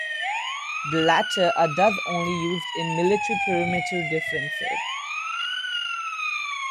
The latter are thus only used in military perimeter defenses.